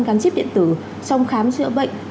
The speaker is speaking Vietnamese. gắn chip điện tử trong khám chữa bệnh